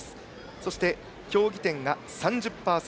そして競技点が３０％。